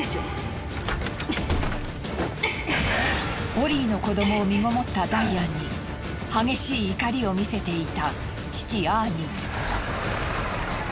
オリーの子供を身ごもったダイアンに激しい怒りを見せていた父アーニー。